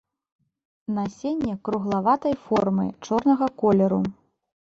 Насенне круглаватай формы, чорнага колеру.